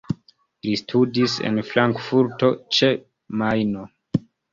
Li studis en Frankfurto ĉe Majno.